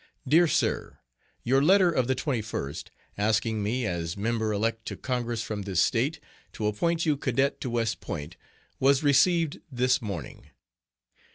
DEAR SIR: Your letter of the 21st, asking me, as member elect to Congress from this State, to appoint you cadet to West Point, was received this morning.